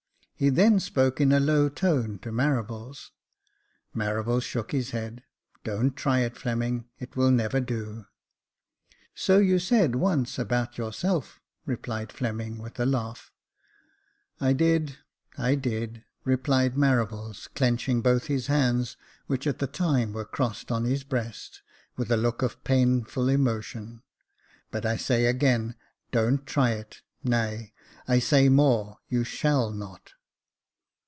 He then spoke in a low tone to Marables. Marables shook his head. Don't try it, Fleming, it will never do." " So you said once about yourself," replied Fleming, with a laugh. " I did — I did !" replied Marables, clenching both his hands, which at the time were crossed on his breast, with a look of painful emotion ;" but I say again, don't try it j nay, I say more, you shall not."